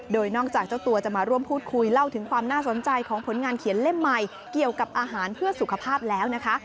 โดยนอกจากเจ้าตัวจะมาร่วมพูดคุยเล่าถึงความน่าสนใจของผลงานเขียนเล่มใหม่เกี่ยวกับอาหารเพื่อสุขภาพแล้วนะคะ